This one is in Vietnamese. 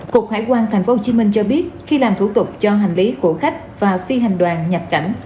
cục hải quan tp hcm cho biết khi làm thủ tục cho hành lý của khách và phi hành đoàn nhập cảnh